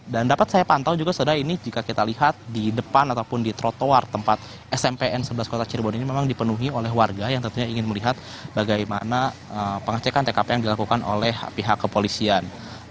dan dapat saya pantau juga sudah ini jika kita lihat di depan ataupun di trotoar tempat smpn sebelas kota cirebon ini memang dipenuhi oleh warga yang tentunya ingin melihat bagaimana pengecekan tkp yang dilakukan oleh pihak kepolisian